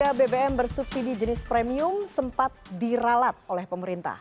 harga bbm bersubsidi jenis premium sempat diralat oleh pemerintah